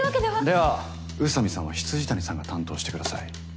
では宇佐美さんは未谷さんが担当してください。